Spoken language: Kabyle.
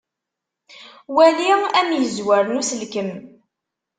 Wali amizzwer n uselkem.